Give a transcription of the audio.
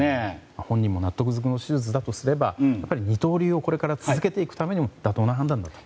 本人も納得の手術だとすれば二刀流をこれから続けていくためにも妥当な判断だったと。